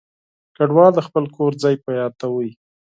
کډوال د خپل کور ځای یاداوه.